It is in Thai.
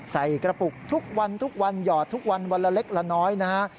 ใส่กระปุกทุกวันทุกวันหยอดทุกวันวันละเล็กละน้อยนะฮะ